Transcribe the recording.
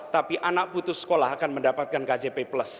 tapi anak putus sekolah akan mendapatkan kjp plus